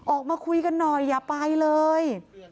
ออกมาคุยกันหน่อยอย่าไปเลย